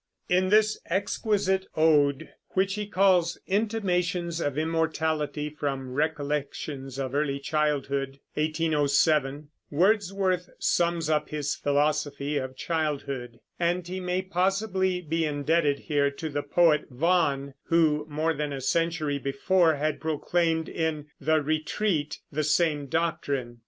In this exquisite ode, which he calls "Intimations of Immortality from Recollections of Early Childhood" (1807), Wordsworth sums up his philosophy of childhood; and he may possibly be indebted here to the poet Vaughan, who, more than a century before, had proclaimed in "The Retreat" the same doctrine.